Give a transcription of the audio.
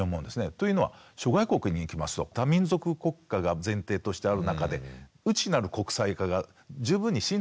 というのは諸外国に行きますと多民族国家が前提としてある中で内なる国際化が十分に浸透してるわけですよね。